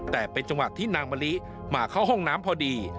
แต่เป็นจังหวะที่นางมะลิมาเข้าห้องน้ำพอดี